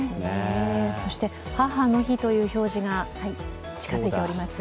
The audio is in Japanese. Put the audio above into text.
そして母の日という表示が近づいています。